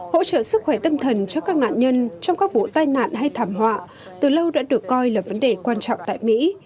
hỗ trợ sức khỏe tâm thần cho các nạn nhân trong các vụ tai nạn hay thảm họa từ lâu đã được coi là vấn đề quan trọng tại mỹ